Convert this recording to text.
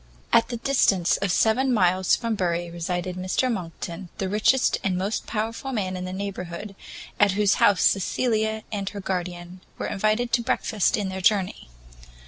At the distance of seven miles from Bury resided Mr Monckton, the richest and most powerful man in that neighbourhood, at whose house Cecilia and her guardian were invited to breakfast in their journey.